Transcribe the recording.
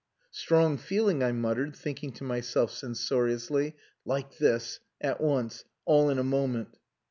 Strong feeling," I muttered, thinking to myself censoriously: like this, at once, all in a moment!